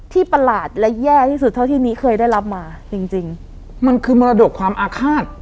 ประหลาดและแย่ที่สุดเท่าที่นี้เคยได้รับมาจริงจริงมันคือมรดกความอาฆาต